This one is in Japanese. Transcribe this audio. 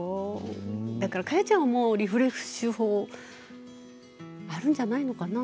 だから果耶ちゃんはもうリフレッシュ法あるんじゃないのかな？